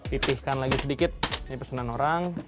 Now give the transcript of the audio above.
pipihkan lagi sedikit ini pesanan orang